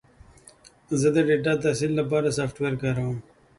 زه د ډیټا تحلیل لپاره سافټویر کاروم.